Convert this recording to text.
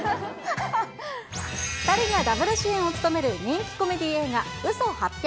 ２人がダブル主演を務める人気コメディー映画、嘘八百。